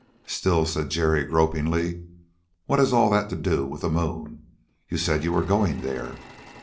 "Still," said Jerry, gropingly, "what has all that to do with the moon? You said you were going there."